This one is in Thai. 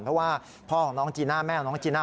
เพราะว่าพ่อของน้องจีน่าแม่ของน้องจีน่า